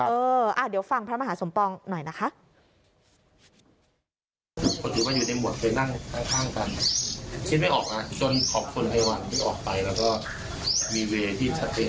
เออเดี๋ยวฟังพระมหาสมปองหน่อยนะคะ